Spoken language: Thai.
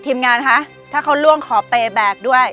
ทีมงานคะถ้าเขาล่วงขอเปย์แบกด้วย